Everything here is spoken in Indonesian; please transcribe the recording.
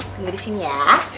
tunggu di sini ya